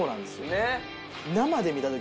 ねっ。